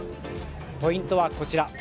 ポイントはこちら。